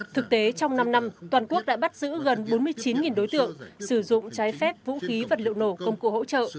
thực tế trong năm năm toàn quốc đã bắt giữ gần bốn mươi chín đối tượng sử dụng trái phép vũ khí vật liệu nổ công cụ hỗ trợ